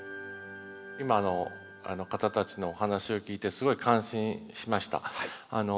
今の方たちのお話を聞いてすごい感心しました。